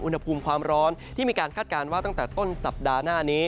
อุณหภูมิความร้อนที่มีการคาดการณ์ว่าตั้งแต่ต้นสัปดาห์หน้านี้